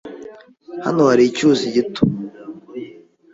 Hano hari icyuzi gito.